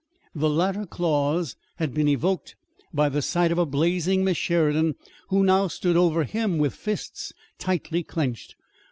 The latter clause had been evoked by the sight of a blazing Miss Sheridan, who now stood over him with fists tightly clenched.